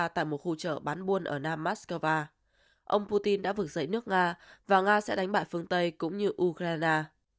tại một khu chợ bán buôn ở nam moscow ông putin đã vực dậy nước nga và nga sẽ đánh bại phương tây cũng như ukraine